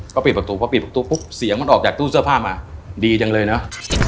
ก็ปิดประตูพอปิดประตูปุ๊บเสียงมันออกจากตู้เสื้อผ้ามาดีจังเลยเนอะ